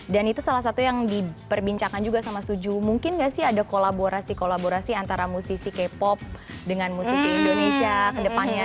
dan itu salah satu yang diperbincangkan juga sama suju mungkin gak sih ada kolaborasi kolaborasi antara musisi k pop dengan musisi indonesia kedepannya